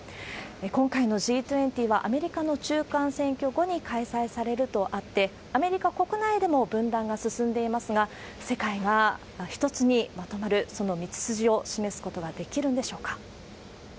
今回のＧ２０はアメリカの中間選挙後に開催されるとあって、アメリカ国内でも分断が進んでいますが、世界が一つにまとまる、その道筋を示すことはできるんでしょうか。